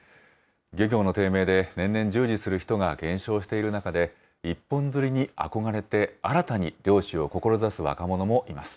漁業の低迷で、年々従事する人が減少している中で、一本釣りに憧れて、新たに漁師を志す若者もいます。